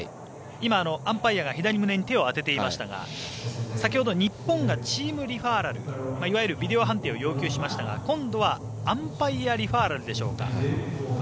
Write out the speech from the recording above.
今、アンパイアが手を当てていましたが日本がチームリファーラルいわゆるビデオ判定を要求しましたがアンパイアリファーラルでしょうか。